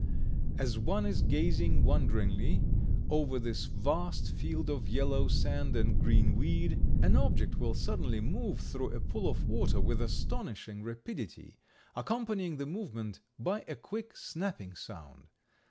As one is gazing wonderingly over this vast field of yellow sand and green weed, an object will suddenly move through a pool of water with astonishing rapidity, accompanying the movement by a quick snapping sound.